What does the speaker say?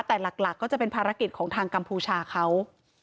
แต่หลักก็จะเป็นภารกิจของทางกัมพูชาเขา